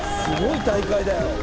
すごい大会だよ。